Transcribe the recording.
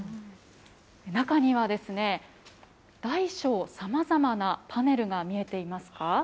中には、大小さまざまなパネルが見えていますか。